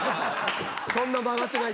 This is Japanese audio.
そんな曲がってない。